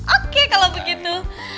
oke kalau begitu